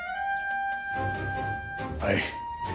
はい。